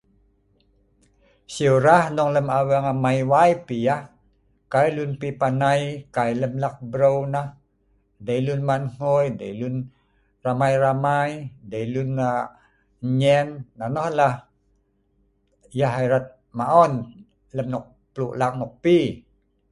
Siu rah dong lem aweng amai wai pi yah, kai lun pi panai, kai lem lak bereu nah, dei lun man hngui, dei lun ramai ramai, dei lun aa nyein, nonoh la.. yah erat maon lem anok pluk lak nok pii